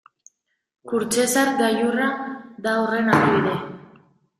Kurtzezar gailurra da horren adibide.